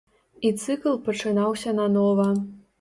І цыкл пачынаўся нанова.